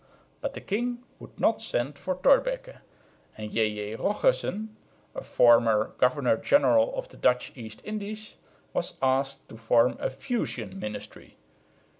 But the king would not send for Thorbecke; and J.J. Rochussen, a former governor general of the Dutch East Indies, was asked to form a "fusion" ministry.